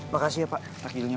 makasih ya pak takjilnya